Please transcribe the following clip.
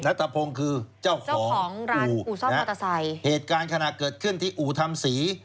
นัทธพงศ์คือเจ้าของอู่เหตุการณ์ขณะเกิดขึ้นที่อู่ทำศรี